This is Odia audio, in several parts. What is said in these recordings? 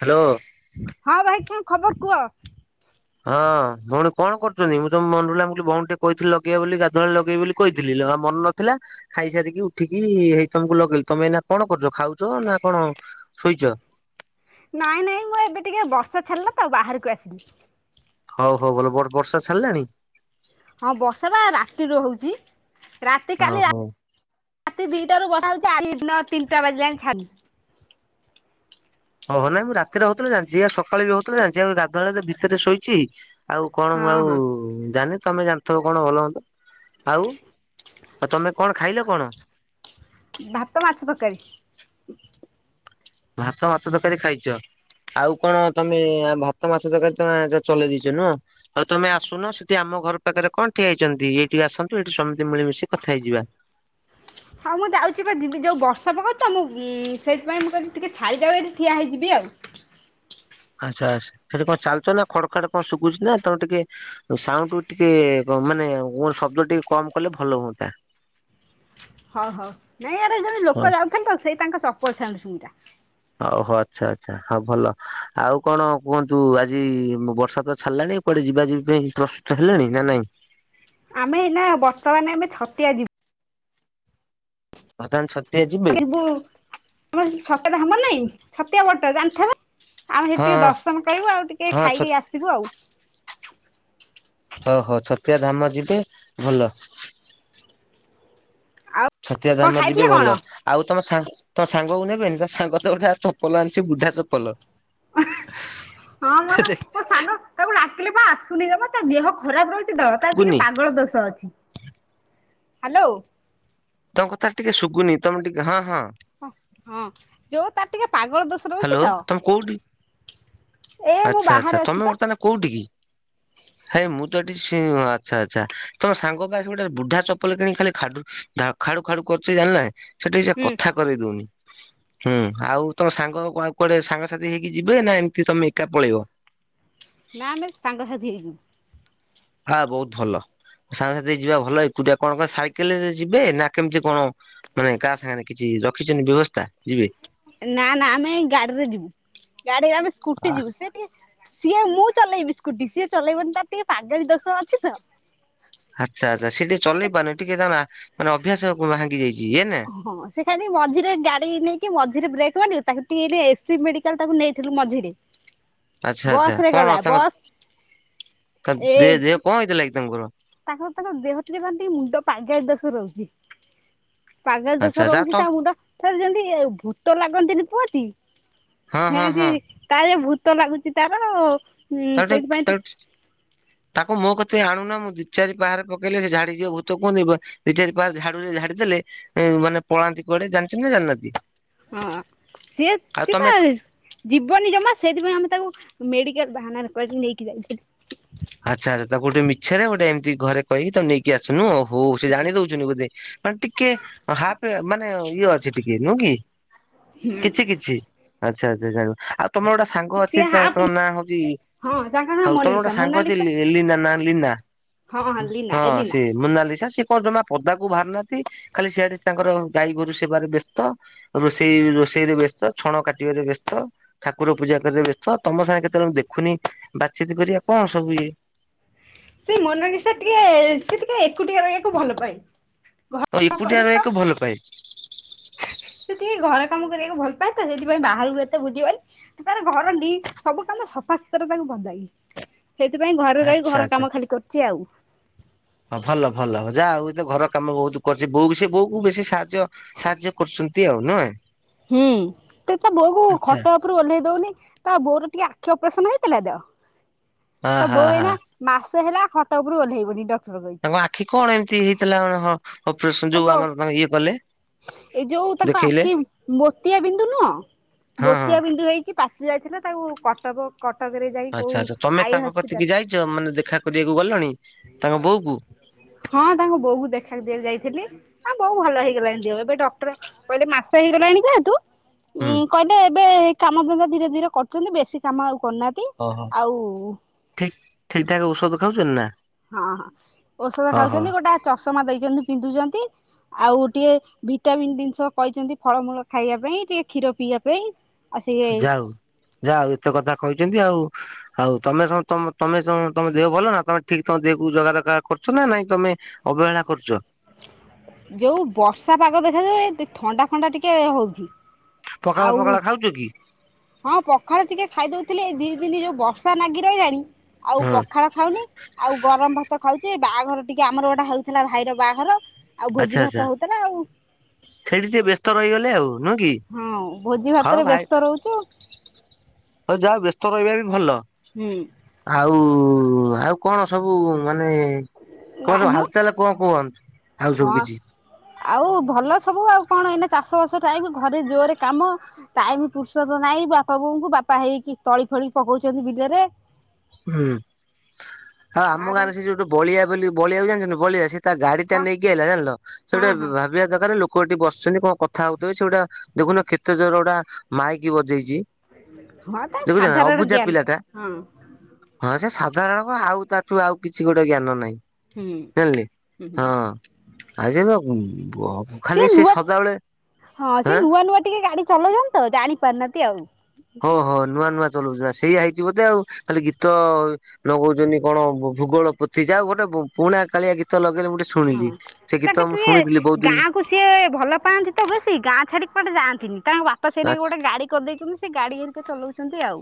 ହାଲୋ। ହଁ ଭାଇ କଣ ଖବର କୁହ? ହଁ ଭଉଣୀ କଣ କରୁଚନ୍ତି? ମୁଁ ତମ ମନ ପଇଲା ମୁଁ ବୋଲି ଭଉଣୀ ଟିକେ କହିଥିଲି ଲଗେଇବ ବୋଲି ଗାଧୁଆ ବେଳେ ଲଗେଇବ ବୋଲି। କହିଥିଲି ଜମା ମନ ନଥିଲା। ଖାଇସାରିକି ଉଠିକି ହେଇ ତମକୁ ଲଗେଇଲି। ତମେ ଏଇନା କଣ କରୁଚ ଖାଉଚ ନା କଣ ଶୋଇଚ? ନାଇଁ ନାଇଁ ମୁଁ ଏବେ ଟିକେ ବର୍ଷା ଛାଡ଼ିଲା ତ ବାହାରକୁ ଆସିଲି। ହଉ ହଉ ଭଲ ବର ବର୍ଷା ଛାଡ଼ିଲାଣି? ହଁ ବର୍ଷା ତ ରାତିରୁ ହଉଚି। ରାତି ହଉ କାଲି ହଉ ରାତି ଦିଇଟାରୁ ବର୍ଷା ହଉଚି ଆଜି ଦିନ ତିନିଟା ବାଜିଲାଣି ଛାଡିନି। ହଁ ହେଲା ନାଇଁ ମୁଁ ରାତିରେ ହଉଥିଲା ଜାଣିଚି ସକାଳେ ବି ହଉଥିଲା ଜାଣିଚି ଆ ଗାଧୁାଆବେଳେ ତ ଭିତରେ ଶୋଇଚି। ଆଉ କଣ ମୁଁ ହଁ ଆଉ ହଁ ଜାଣିନି। ତମେ ଜାଣିଥବ କଣ ଭଲ ମନ୍ଦ। ଆଉ? ଆଉ ତମେ କଣ ଖାଇଲ କଣ? ଭାତ ମାଛ ତରକାରୀ। ଭାତ ମାଛ ତରକାରୀ ଖାଇଚ? ଆଉ କଣ ତମେ ଭାତ ମାଛ ତରକାରୀ ତମେ ଏ ଯ ଚଲେଇ ଦେଇଚ ନୁହ? ହୋଉ ତମେ ଆସୁନ। ସେଠି ଆମ ଘର ପାଖରେ କଣ ଠିଆ ହେଇଚନ୍ତି, ଏଇଠି ଆସନ୍ତୁ, ଏଇଠି ସମିତେ ମିଳିମିଶି କଥା ହେଇଯିବା। ହଉ ମୁଁ ଯାଉଚି ପା ଯିବି ଯୋଉ ବର୍ଷା ପକଉଚି ତ ମୁଁ ସେଇଥିପାଇଁ ମୁଁ କଇଲି ଟିକେ ଛାଡ଼ି ଯାଉ ଏଠି ଠିଆ ହେଇ ଯିବି ଆଉ। ଆଚ୍ଛା ଆଚ୍ଛା ସେଠି କଁ ଚାଲୁଚନା? ଖଡ ଖାଡ କଁ ଶୁବୁଚିନା ତମେ ଟିକେ ସାଉଣ୍ଡୁ ଟିକେ କ ମାନେ ମୋ ଶବ୍ଦ ଟିକେ କମ କଲେ ଭଲ ହୁଅନ୍ତା। ହଉ ହଉ ନାଇଁ ଆରେ ଜଣେ ହଁ ଲୋକ ଯାଉଚନ୍ତି ତ ସେଇ ତାଙ୍କ ଚପଲ ସାଉଣ୍ଡ ସୁବିଲା। ହଉ ହଉ ଆଚ୍ଛା ଆଚ୍ଛା। ହଁ ଭଲ ଆଉ କଣ କୁହନ୍ତୁ ଆଜି ବର୍ଷା ତ ଛାଡଲାଣି। କୁଆଡେ ଯିବା ଯିବି ପାଇଁ ପ୍ରସ୍ତୁତ ହେଲେଣି। ନା ନାଇଁ? ଆମେ ଏଇନା ବର୍ତ୍ତମାନେ ଆମେ ଛତିଆ ଯିବୁ। ବର୍ତ୍ତମାନ ଛତିଆ ଯିବ ଥିବୁ। ହୁଁ [unintelligible] ହବନାହିଁ। ଛତିଆ ଭଟ ଜାଣିଥବ। ଆମେ ସେଠି ହଁ ଟିକେ ଦର୍ଶନ କରିବୁ, ଆଉ ଟିକେ ହଁ ହଁ ଖାଇକି ଆସିବୁ ଆଉ। ଓ ହୋ ଛତିଆ ଧାମ ଯିବେ ଭଲ। ଆଉ ଛତିଆ କଣ ଧାମ ଯିବେ ଖାଇଥିଲେ କଣ? ଭଲ। ଆଉ ତମ ସାଙ୍ଗ ତମ ସାଙ୍ଗକୁ ନେବେନି? ତମ ସାଙ୍ଗ ତ ଗୋଟେ ଚପଲ ଆଣିଚି ବୁଢା ଚପଲ। ହଁ ବା, ମୋ ସାଙ୍ଗ ତାକୁ ଡାକିଲେ ବା ଆସୁନି ଜମା। ତା ଦେହ ଖରାପ ରହୁଚି। ଚି ତ ତାର ଟିକେ ଶୁଭୁନି ପାଗଳ ଦୋଷ ଅଛି। ହାଲୋ। ତମ କଥା ଟିକେ ଶୁଭୁନି। ତମେ ଟିକେ ହଁ ହଁ। ହ ହଁ ଯୋଉ ତାର ଟିକେ ପାଗଳ ଦୋଷ ରହୁଛି ହାଲୋ ତ ତମେ କୋଉଠି ଏ ମୁଁ ଆଚ୍ଛା ଆଚ୍ଛା ବାହାରେ ଅଛି ତମେ ପା। ବର୍ତ୍ତମାନ କୋଉଠି କି? ହେ ମୁଁ ତ ଏଠି ସେ ଆଚ୍ଛା ଆଚ୍ଛା ତମ ସାଙ୍ଗ କାଇଁ ଗୋଟେ ବୁଢା ଚପଲ କିଣି ଖାଲି ଖାଡୁ ଧା ଖାଡୁ ଖାଡୁ କରୁଚି ଜାଣିଲୁନା ସେ ଠିକ ସେ ହୁଁ କଥା କରେଇ ଦଉନି। ହୁଁ ଆଉ ତମ ସାଙ୍ଗ କୁଆ କୁଆଡେ ସାଙ୍ଗସାଥି ହେଇକି ଯିବେ, ନା ଏମିତି ତମେ ଏକା ପଳେଇବ। ନା ବେ ସାଙ୍ଗ ସାଥି ହେଇଯିବୁ। ହଁ ବହୁତ ଭଲ। ସାଙ୍ଗସାଥି ଯିବା ଭଲ। ଏକୁଟିଆ କଣ କଣ ସାଇକେଲରେ ଯିବେ ନା କେମିତି କଣ ମାନେ କାହା ସାଙ୍ଗରେ କିଛି ରଖିଚନ୍ତି ବ୍ୟବସ୍ଥା ଯିବେ। ନା ନା ଆମେ ଗାଡିରେ ଯିବୁ ଗାଡିରେ ଆମେ ସ୍କୁଟି ଯିବୁ ସେ ଟିକେ- ସିଏ ମୁଁ ଚଲେଇବି ସ୍କୁଟି ସିଏ ଚଲେଇବନି ତାର ଟିକେ ପାଗେଳି ଦୋଷ ଅଛି ତ। ଆଚ୍ଛା ଆଚ୍ଛା ସେଠିକେ ଚଲେଇ ପାରୁନି ଟିକେ ତା ମାନେ ଅଭ୍ୟାସ ଭାଙ୍ଗି ଯାଇଛି ଇଏନା। ହହଁ ସେ ଖାଲି ମଝିରେ ଗାଡି ନେଇକି ମଝିରେ ବ୍ରେକ୍ ମରିବ ତାକୁ ଟିକେ ଏଇଲେ ଏସ୍ ସି ବିମେଡିକାଲ ତାକୁ ନେଇଥିଲୁ ମଝିରେ। [inaudible] ଆଚ୍ଛା ବସ ଆଚ୍ଛା ରେ କଣ ଗଲା ତାଙ୍କ ବସ୍ [unintelligible] ଏ ଦେ ଦେହ କଁ ହେଇଥିଲା ଲାଗି ତାଙ୍କର। ତାଙ୍କର ତାଙ୍କ ଦେହ ଟିକେ କନ୍ତି ମୁଣ୍ଡ ପାଗେଳୀ ଦୋଷ ରହୁଛି। ପାଗେଳି ଆଚ୍ଛା ଦୋଷ ଆଚ୍ଛା ରହୁଛି ତ ତା ମୁଣ୍ଡ ରେ ଯେମିତି ଭୂତ ଲାଗନ୍ତିନି କୁହନ୍ତି। ହଁ ହଁ ସେମିତି ହଁ କାଳେ ଭୂତ ଲାଗୁଛି ତାଅାର। ତଟ ତଟ। [unintelligible] ତାକୁ ମୋ କତେ ଆଣୁନା ମୁଁ ଦିଇ ଚାରି ପାହାରେ ପକେଇଲେ ସେ ଝାଡିଯିବ ଭୂତ କୁଅନ୍ତିନି ଦି ଚାରି ପାର ଝାଡୁ ଝାଡି ଦେଲେ ମାନେ ପଳାନ୍ତି କୁଆଡେ ଜାଣିଛନ୍ତି ନା ଜାଣିନାହାନ୍ତି। ହଁ ସିଏ ଆଉ ତମେ ସିଏପା ଯିବନି ଜମା ସେଇଥିପାଇଁ ଆମେ ତାକୁ ମେଡିକାଲ ବାହାନାରେ କୁଆଡେ ନେଇକି ଯାଇଥିଲୁ। ଆଚ୍ଛା ଆଚ୍ଛା ତାକୁ ଗୋଟେ ମିଛ ରେ ଗୋଟେ ଏମିତି ଘରେ କହିକି ତାକୁ ନେଇକି ଆସୁ ନୁହଁ ହଉ ସେ ଜାଣି ଦୋଉଛନ୍ତି ବୋଧେ। ମାନ ଟିକେ ହାପ ମାନେ ଇଏ ଅଛି ଟିକେ ନୁହେ କି? ହୁଁ। କିଛି କିଛି। ଆଚ୍ଛା ଆଚ୍ଛାଙ୍ଗ ଆଉ ତମର ଗୋଟେ ସାଙ୍ଗ ଅଛି ସିଏ ହାପ୍ ତାଙ୍କ ନାଁ ହଉଛି ହଁ ତାଙ୍କ ନାଁ ହଉ ତମର ମୋନାଲିସା ଗୋଟେ ସାଙ୍ଗ ଅ ମୋନାଲିସା ଏଲୀନା ନା ଲିନା ହଁ ଲିନା ହଁ ଏଲିନା ସିଏ ମୋନାଲିଶା ସେ କଁ ଜମା ପଦାକୁ ବାହାରି ନାହାନ୍ତି ଖାଲି ସିଆଡେ ତାଙ୍କର ଗାଈ ଗୋରୁ ସେବାରେ ବ୍ୟସ୍ତ। ରୋଷେଇ ରୋଷେଇରେ ବ୍ୟସ୍ତ ଛଣ କାଟିବାରେ ବ୍ୟସ୍ତ। ଠାକୁର ପୂଜା କରେ ବ୍ୟସ୍ତ ତମ ସାଙ୍ଗେ କେତେବେଳେ ଦେଖୁନି ବାଚିତ କରିବା କଣ ସବୁ ଇଏ? ସେ ମୋନାଲିଶା ଟିକେ ସେ ଟିକେ ଏକୁଟିଆ ରହିବାକୁ ଭଲ ପାଏ। ଓ ଘର ଏକୁଟିିଆ କରିବ ରହିବାକୁ ଭଲ ପାଏ। ସେ ଟିକେ ଘର କାମ କରିବାକୁ ଭଲ ପାଏ ତ ସେଥିପାଇଁ ବାହାରକୁ ଏତେ ବୁଲିବନି। ତାର ଘରଲି ସବୁ କାମ ସଫାସୁତୁରା ତାକୁ ବଦାଇ। ସେଇଥିପାଇଁ ଘରେ ରହି ଆଚ୍ଛା ଘର ଆଚ୍ଛା। କାମ ଖାଲି କରୁଛି ଆଉ। ହଁ ଭଲ ଭଲ ଯାହା ହଉ ଏତ ଘର କାମ ବହୁତ କରୁଛି ବୋଉ ବି ସେ ବୋଉ କ ବେଶୀ ସାହାଯ୍ୟ ସାହାଯ୍ୟ କରୁଛନ୍ତି ଆଉ ନୁହେ। ହୁଁ ସେ ତ ବୋହୁ ଖଟ ତାରୁ ଓହ୍ଲେଇ ଦଉନି ତା ବୋଉର ଟିକେ ଆଖି ଅପରେସନ ହେଇଥିଲା ତ୍ ଆ ତା ହା ବୋଉ ହା ଏଇନା ମାସ ହେଲା ଖଟ ଉପରୁ ଓହ୍ଲେଇବନି ଡକ୍ଟର କହିଛି। ତାଙ୍କ ଆଖି କଣ ଏମିତି ହେଇଥିଲା ହଁ। ଅପରେସନ ଯୋଉ ଆମର ତାଙ୍କ ଇଏ କଲେ ଏଇ ଯୋଉ ତାଙ୍କ ଦେଖେଇଲେ ଆଖି ଗୋଟିଏ ବିନ୍ଦୁ ନୁହଁ ହଁ ହଁ ଗୋଟିଏ ବିନ୍ଦୁ ହେଇକି ପାଚି ଯାଇଥିଲା ତାକୁ କଟକ କଟକରେ ଯାଇ କୋଉ ଆଇ ହସ୍ପିଟାଲ ଯଉମାନେ ଦେଖା କରିବାକୁ ଗଲେଣି। [unintelligible] ହଁ ତାଙ୍କୁ ବୋଉକୁ ଦେଖା କରିବାକୁ ଯାଇଥିଲି। ହଁ ବୋଉ ଭଲ ହେଇଗଲାଣି ଯଉ ଏବେ ଡକ୍ଟର କହିଲେ ମାସ ହେଇଗଲାଣି ଯେହେତୁ ହୁଁ। ଉଁ କହିଲେ ଏବେ କାମ ଧନ୍ଦା ଧୀରେ ଧୀରେ କରୁଛନ୍ତି ବେଶୀ କାମ ଆଉ କରୁନାହାନ୍ତି। ଓହୋ ଆଉ ଠିକ୍ ଠିକ୍ ଠାକ ଔଷଧ ଖାଉଛନ୍ତି ନା। ହଁ ହଁ ଔଷଧ ହଁ ହଁ ଖାଉଛନ୍ତି ଗୋଟେ ଚଷମା ଦେଇଛନ୍ତି ପିନ୍ଧୁଛନ୍ତି। ଆଉ ଟିକେ ଭିଟାମିିନ ଜିନିଷ କହିଛନ୍ତି ଫଳମୂଳ ଖାଇବା ପାଇଁ ଟିକେ କ୍ଷୀର ପିଇବା ପାଇଁ। ଆଉ ସେ ଯାଉ ଯାଉ ଏତେ କଥା କହିଛନ୍ତି ଆଉ। ଆଉ ତମେ ତମେ ତମ ଦେହ ଭଲ ନା ତମେ ଠିକ ତମ ଦେହକୁ ଜଗା ରଖା କରୁଛ ନା ନାଇଁ ତମେ ଅବହେଳା କରୁଚ। ଯୋଉ ବର୍ଷା ପାଗ ଦେଖାଯାଉ ଥଣ୍ଡା ଫଣ୍ଡା ଟିକେ ହଉଚି। ପଖାଳ ପଖାଳ ଖାଉଚ କି? ହଁ ପଖାଳ ଟିକେ ଖାଇଦଉଥିଲି ଏ ଦି ଦିନି ଯୋଉ ବର୍ଷା ନାଗି ରହିଲାଣି ଆଉ ହଁ। ପଖାଳ ଖାଉନି ଆଉ ଗରମ ଭାତ ଖାଉଚି ବାହାଘର ଟିକେ ଆମର ଗୋଟା ହଉଥିଲା ଭାଇର ବାଘର ଆଉ ଭୋଜି ଭାତ ହଉଥିଲା ଆଉ। ସେଇଟି ସେ ବ୍ୟସ୍ତ ରହିଗଲେ ଆଉ ନୁହଁ କି? ହଁ ଭୋଜି ହଉ ଭାତରେ ଭାଇ ବ୍ୟସ୍ତ ରହୁଚୁ। ଯାହା ହଉ ବ୍ୟସ୍ତ ରହିବା ବି ଭଲ। ହୁଁ। ଆଉ ଆଉ କଣ ସବୁ ମାନେ କଣ ନାଇଁ ସବୁ ମ ହାଲ୍ ଚାଲ୍ କଣ କୁହନ୍ତ ହଁ ଆଉ ଭଲ ସବୁ ଆଉ କଣ ଏଇନେ ଚାଷ ବାସ ଟାଇମ୍ ଘରେ ଜୋରେ କାମ ଟାଇମ୍ ପୁରୁଷତ ନାଇଁ ବାପା ବୋଉଙ୍କୁ ବାପା ହେଇକି ତଳି ଫଳି ପକଉଛନ୍ତି ବିଲରେ। ହୁଁ ଆଉ ମା ଆମ ଗାଁରେ ତାଙ୍କୁ ସେ ଯୋଉଟ ବଳିଆ ବୋଲି ବଳିଆକୁ ଜାଣିଛନ୍ତି ବଳିଆ ସେ ତା ଗାଡି ତା ହଁ ନେଇକି ଆଇଲା ଜାନିଲ ହଁ ସେଟ ହଁ ଭାବିବା ଦରକାର ଲୋକ କୁଠି ବସିଛନ୍ତି କଣ କଥା ହଉଥିବ ସେଇଉଟା ଦେଖୁନ କେତେ ଜୋର ଗୋଟା ମାଇକି ବଜେଇଚି। ହଁ ତା ସାଧାରଣ ଜ୍ଞାନ୍ ପିଲାଟା। ହଁ। ହଁ ସେ ସାଧାରଣ ଆଉ ତାଠୁ ଆଉ କିଛି ଗୋଟେ ଜ୍ଞାନ ନାହିଁ। ହୁଁ ହୁଁ ହୁଁ। ଆଉ ଯେ ଏଵ ଖାଲି ସେ ସଦାବେଳେ ହଁ ସେ ନୂଆ ନୂଆ ଟିକେ ଗାଡି ଚଲଉଚନ୍ତି ତ ଜାଣିପାରୁନାହାନ୍ତି ଆଉ। ହ ହୋ ନୂଆ ନୂଆ ଚଲଉଛି ସେଇୟଆ ହେଇଛି ବୋଧେ ଆଉ ଖାଲି ଗୀତ ନଗଉଚନ୍ତି କଣ ଭୂଗୋଳ ପୋଥୀ ଯାଉ ଗୋଟେ ପୁଣା କାଳିଆ ଗୀତ ଲଗେଇଲେ ଗୋଟେ ହଁ ଶୁଣିଲି ସେ ତାଙ୍କ ଗୀତ ମୁଁ ଟିକେ ଶୁଣିଥିଲି ବହୁତ ଦିନ୍ ଗାଁକୁ ସିଏ ଭଲ ପାଆନ୍ତି ତ ବେଶୀ ଗାଁ ଛାଡ଼ିକି କୁଆଡ଼େ ଯାଆନ୍ତିନି ତାଙ୍କ ବାପ ପା ସେନାକେ ବାସ୍ ଗୋଟେ ଗାଡ଼ି କରିଦେଇଚନ୍ତି ସେ ଗାଡ଼ି ଏରିକେ ଚଲାଉଚନ୍ତି ଆଉ।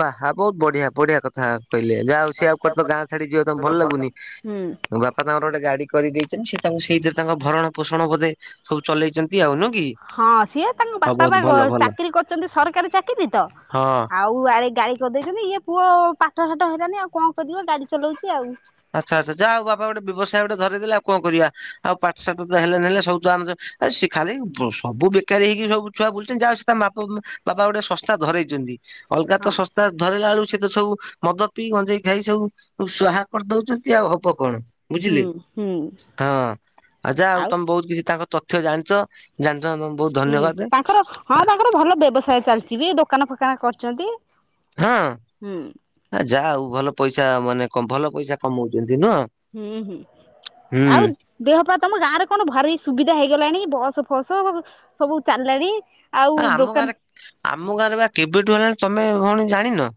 ବାହା ବହୁତ ବଢିଆ ବଢିଆ କଥା। କହିଲେ ଯାହା ହଉ ସେ ଆଉ ଉ କେ ତ ଗାଁ ଛାଡି ଯିବକୁ ଭଲ ଲାଗୁନି ହୁଁ ବାପା ତାଙ୍କର ଗୋଟେ ଗାଡି କରିଦେଇଚନ୍ତି ସେ ତାଙ୍କୁ ସେଇଥିରେ ତାଙ୍କ ଭରଣ ପୋଷଣ ବୋଧେ ସବୁ ଚଲେଇଚନ୍ତି ଆଉ ନି? ହଁ ସିଏ ତାଙ୍କ ବାପା ବା ଭଲ ଚାକିରୀ କରିଚନ୍ତି ସରକାରୀ ଚାକିରି ତ। ହଁ। ଆଉ ଆଡେ ଗାଡି କରିଦେଇଚନ୍ତି ଇଏ ପୁଅ ପାଠ ସାଠ ହେଲାନି ଆଉ କଣ କରିବ ଗାଡି ଚଲଉଚି ଆଉ। ଆଚ୍ଛା ଆଚ୍ଛା ଯା ଆଉ ବାପା ଗୋଟେ ବ୍ୟବସାୟ ଗୋଟେ ଧରେଇ ଦେଲେ ଆଉ କଣ କରିବା ଆଉ ପାଠଶାଠ ତ ହେଲେ ନହଲେ ସ ତ ଆମେ ତ ଆ ସେ ଖାଲି ସବୁ ବେକାରୀ ହେଇକି ସବୁ ଛୁଆ ବୁଲୁଛନ୍ତି ଯାହା ହଉ ସେ ମା ବାପ କୁ ବାପା ଗୋଟେ ଶସ୍ତା ଧରେଇଚନ୍ତି। ଅଲଗା ତ ହଁ ଶସ୍ତା ଧରେଇଲା ବେଳକୁ ସେ ତ ସବୁ ମଦ ପିଇ ଗଞ୍ଜେଇ ଖାଇ ସବୁ ସ୍ଵାହା। କରି ଦଉଛନ୍ତି ଆଉ ହବ କଣ ବୁଝିଲେ ହୁଁ ହୁଁ ହଁ ଆ ଯା ଆଉ ତମେ ବହୁ କିଛି ତାଙ୍କ ତଥ୍ୟ ଜାଣିଚ ଜାଣିଚ [unintelligible] ବହୁତ ହୁଁ ଧନ୍ୟବାଦେ। ତାଙ୍କର ହଁ ତାଙ୍କର ଭଲ ବ୍ୟବସାୟ ଚାଲିଚି ବି ଦୋକାନ ଫୋକାନ କରିଚନ୍ତି ହଁ ଆ ଯାହା ହଉ ଭଲ ପଇସା ମାନେ ଭଲ ପଇସା କମଉଚନ୍ତି ନୁହଁ? ହୁଁ ହୁଁ ହୁଁ। ଆଉ ଦେହପା ତମ ଗାଁରେ କଣ ଭାରି ସୁବିଧା ହେଇଗଲାଣି ବସ ଫସ ସବୁ ଚାଲିଲାଣି। ଆଉ ଆମ ଦୋକାନ ଗାଁରେ ଆମ ଗାଁରେ ବା କେବେଠୁ ହେଲାଣି ତମେ ଭଉଣୀ ଜାଣିନ?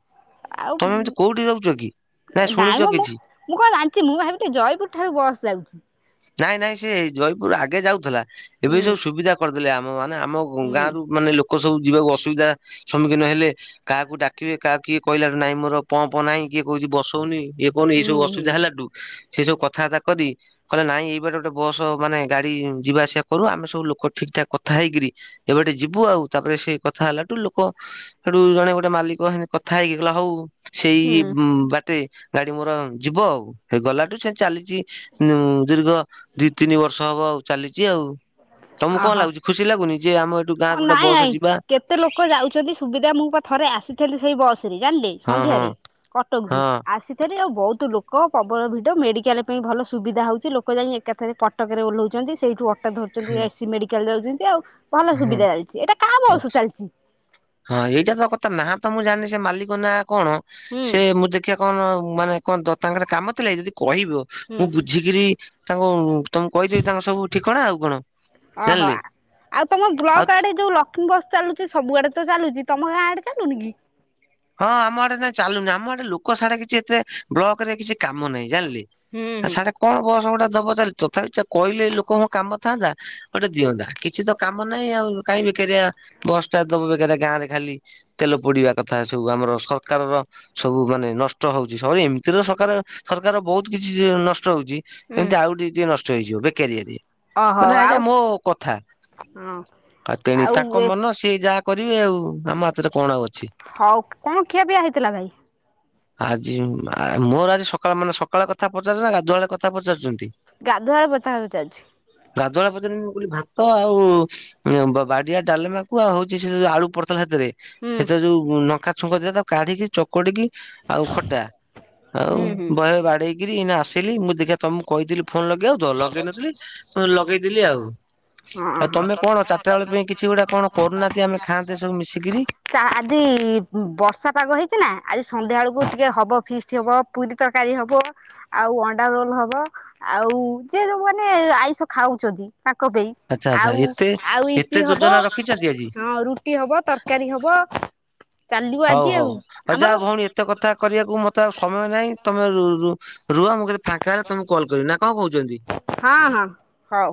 ଆଉ ତମେ ଏମିତି କୋଉଠି ରହୁଚ କି ନାଇଁ ମ ଶୁଣିଚ ମୁଁ କିଛି? ମୁଁ କଣ ଜାଣିଚି ମୁଁ ଭାବିଲି ଜୟିପୁର୍ ଠାରୁ ବସ୍ ଯାଉଚି। ନାଇଁ ନାଇଁ ସେ ଜୟପୁର ଆଗେ ଯାଉଥିଲା ଏବେ ହୁଁ ସବୁ ସୁବିଧା କରିଦେଲେ ଆମ ମାନେ ଆମ ଗାଁ ହୁଁ ରୁ ମାନେ ଲୋକ ସବୁ ଯିବାକୁ ଅସୁବିଧା ସମ୍ମୁଖୀନ ହେଲେ କାହାକୁ ଡାକିବେ କାହା କିଏ କହିଲା ନାଇଁ ମୋର ପମ୍ପ ନାଇଁ କିଏ କହୁଛି ବସଉନି। କଣ ଏଇ ହୁଁ ସବୁ ହୁଁ। ଅସୁିବିଧା ହେଲାଠୁ ସେଇ ସବୁ କଥାବାର୍ତ୍ତା କରି କହିଲେ ନାଇଁ ଏଇ ବାଟ ଗୋଟେ ବସ ମାନେ ଗାଡି ଯିବା ଆସିବା କରୁ ଆମେ ସବୁ ଲୋକ ଠିକ ଠାକ କଥା ହେଇକିରି ଏବାଟେ ଯିବୁ ଆଉ ତାପରେ ସେଇ କଥା ହେଲାଠୁ ଲୋକ ସେଠୁ ଜଣେ ଗୋଟେ ମାଲିକ ହେନେ କଥା ହେଇକି କହିଲା ହଉ ସେଇ ହୁଁ। ବାଟେ ଗାଡି ମୋର ଯିବ ଆଉ ହେ ଗଲାଠୁ ସେ ଚାଲିଛି ଉଁ ଦୀର୍ଘ ଦି ତିନି ବର୍ଷ ହବ ଆଉ ଚାଲିଛି ଆଉ ତମକୁ କଣ ଲାଗୁଛି? ଖୁସି ଲାଗୁନି ଯେ ଆମ ଏଠି ହଁ ନାଇଁ ନାଇଁ କେତେ ଲୋକ ଯାଉଛନ୍ତି ସୁବିଧା ମୁଁ ଥରେ ଆସିଥିଲି ସେଇ ବସ ରେ ଜାଣିଲେ ହଁ ହଁ ସନ୍ଧ୍ୟାରେ କଟକରୁୁ ହଁ ଆସି ଏଥିରେ ଆଉ ବହୁତ ଲୋକ ପବଳ ଭିଡ଼ ମେଡିକାଲ ପାଇଁ ଭଲ ସୁବିଧା ହଉଛି ଲୋକ ଯାଇ ଏକାଥରେ କ ଟକରେ ଓଲୋହୋଉଛନ୍ତି ସେଇଠୁ ଅଟ ଧଛନ୍ତି ଏସି ମେଡିକାଲ ଯାଉଛନ୍ତି ଆଉ ଭଲ ହଁ ସୁବିଧା ଚାଲିଛି ଏଇଟା କାହା ବସ ଅଛି ଚାଲିଛି। ହଁ ଏଇଟା ତ କଥା ନାହା ତ ମୁଁ ଜାଣିନି ସେ ମାଲିକ ନା କଣ ହୁଁ ସେ ମତେ ଦେଖିଆ କଣ ମାନେ କଣ ତାଙ୍କର କାମ ଥିଲାକି ଯଦି କହିବ ହୁଁ ମୁଁ ବୁଝିକିରି ତାଙ୍କୁ ତମଁକୁ କହିଦେବି ତାଙ୍କର ସବୁ ଠିକଣା ଆଉ କଣ ଓହୋ ଜାଣିଲେ ଆଉ ତମ ଆଉ ବ୍ଲକ ଆଡେ ଯୋଉ ଲକ୍ଷ୍ମୀ ବସ୍ ଚାଲୁଛି ସବୁ ଆଡେ ତ ଚାଲୁଛି ତମ ଗାଁ ଆଡେ ଚାଲୁନି କି? ହଁ ଆମ ଆଡେ ଏନା ଚାଲୁନି ଆମ ଆଡେ ଲୋକ ସାଡେ କିଛି ଏତେ ବ୍ଲକ ରେ କିଛି କାମ ନାହିଁ ଜାଣିଲେ। ହୁଁ ଆ ହୁଁ ସାଡେ କଣ ବସ ଗୁଡ଼ା ଦବ ଦାୟିତ୍ୱ ଚାଲିଲେ କହିଲେ ଲୋକଙ୍କ କାମ ଥାନ୍ତା। ଗୋଟେ ଦିଅନ୍ତା କିଛି ତ କାମ ନାହିଁ ଆଉ କାହିଁ ବେକାରିଆ ବସ୍ ଟା ଦବ ବେକାର ଗାଁ ରେ ଖାଲି ତେଲ ପୋଡିବା କଥା ସବୁ ଆମର ସରକାରର ସବୁ ମାନେ ନଷ୍ଟ ହଉଛି ସବୁ ଏମିତିର ସରକାର ସରକାର ବହୁତ କିଛି ନଷ୍ଟ ହଉଛି ହୁଁ ଏମିତି ଆଉ ଟିକେ ଟିକେ ନଷ୍ଟ ହେଇଯିବ ବେକାରିଆରେ। ଓହୋ ମାନେ ଏଇଟା ଆଉ ମୋ କଥା ହଁ ତେଣିକି ଆଉ ତାଙ୍କ ଏ ମନ ସେଠି ଯାହା କରିବେ ଆଉ ଆମ ହାତରେ କଣ ଆଉ ଅଛି। ହଉ କଣ ଖିଆ ପିଆ ହେଇଥିଲା ଭାଇ? ଆଜି ଆ ମୋର ଆଜି ସକାଳ ମାନେ ସକାଳେ କଥା ପଚାରୁଛନ୍ତି ନା ଗାଧୁଆ କଥା ପଚାରୁଛନ୍ତି। ଗାଧୁଆଳ କଥା ପଚାରୁଛି। ଗାଧୂଆଳ ପଚାରୁ ମୁ କହିଲି ଭାତ ଆଉ ବାଡିଆ ଡାଲମାକୁ ଆଉ ହଉଛି ସେ ଆଳୁ ପ ର ସେତରେ ହୁଁ ସେଥିରେ ଯୋଉ ନକା ଛୁଙ୍କ ଦିଅନ୍ତି ତା କାଢିକି ଚୋକଡିକି ଆଉ ଖଟା ଆଉ ହୁଁ ହୁଁ ବହେ ବାଡେଇକିରି ଏଇନା ଆସିଲି ମୁଁ ଦେଖିବା ତମକୁ କହିଥିଲି ଫୋନ୍ ଲଗେଇବାକୁ ତୋ ଲଗେଇ ନ ଥିଲି ଲଗେଇ ଦେଲି ଆଉ। ଆଉ ତମେ କଣ ଚାରିଟା ବେଳ ପାଇଁ କିଛି ଗୋଟେ କଣ କରୁନାହାନ୍ତି ଆମେ ଖାଆନ୍ତେ ସବୁ ମିଶିକିରି। [unintelligible] ଆଜି ବର୍ଷା ପାଗ ହେଇଛି ନା ସନ୍ଧ୍ୟା ବେଳକୁ ଟିକେ ହେବ ଫିଷ୍ଟ ଟିକେ ହେବ ପୁରି ତରକାରୀ ହେବ ଆଉ ଅଣ୍ଡା ଝୋଳ ହେବ ଆଉ। ଯେ ଯୋଉ ମାନେ ଆଇଁଶ ଖାଉଛନ୍ତି ତାଙ୍କ ପାଇଁ ଆଚ୍ଛା ଆଚ୍ଛା ଆଉ ଏତେ ଆଉ ଇପି ଏତେ ହେବ ଯୋଜନା ରଖିଛନ୍ତି ଆଜି? ରୁଟି ହେବ ତର ତରକାରୀ ହେବ। ହଉ ହଉ ହଉ ଯା ଭଉଣୀ ଏତେ କଥା କରିବାକୁ ମତେ ସମୟ ନାହିଁ। ତମେ ରୁ ରୁହ ମୁଁ କହିଲି ଫାଙ୍କା ହେଲେ ତମକୁ କଲ କରିବି ନା କଣ କହୁଛନ୍ତି? ହାଁ ହଁ। ହଉ